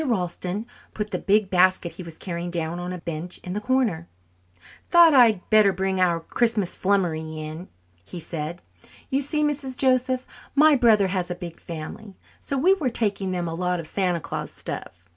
Ralston put the big basket he was carrying down on a bench in the corner. "Thought I'd better bring our Christmas flummery in," he said. "You see, Mrs. Joseph, my brother has a big family, so we are taking them a lot of Santa Claus stuff.